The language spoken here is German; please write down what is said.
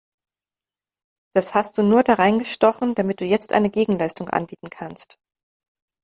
Das hast du nur da reingestochen, damit du jetzt eine Gegenleistung anbieten kannst!